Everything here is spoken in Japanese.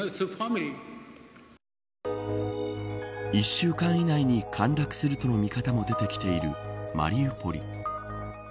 １週間以内に陥落するとの見方も出てきているマリウポリ。